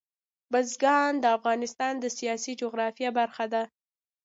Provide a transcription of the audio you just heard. بزګان د افغانستان د سیاسي جغرافیه برخه ده.